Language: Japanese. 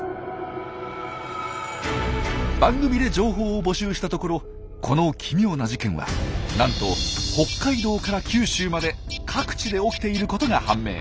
番組で情報を募集したところこの奇妙な事件はなんと北海道から九州まで各地で起きていることが判明。